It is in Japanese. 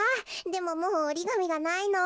でももうおりがみがないの。